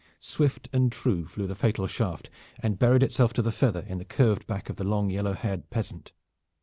Swift and true flew the fatal shaft and buried itself to the feather in the curved back of the long yellow haired peasant.